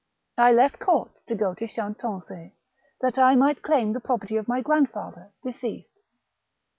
I left court to go to Chantonc6, that I might claim the property of my grandfather, deceased.